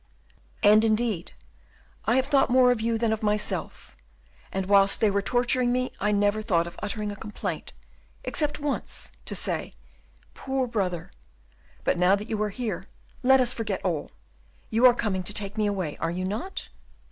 "And, indeed, I have thought more of you than of myself; and whilst they were torturing me, I never thought of uttering a complaint, except once, to say, 'Poor brother!' But now that you are here, let us forget all. You are coming to take me away, are you not?"